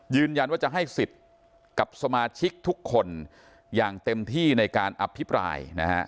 ยืนยันว่าจะให้สิทธิ์กับสมาชิกทุกคนอย่างเต็มที่ในการอภิปรายนะฮะ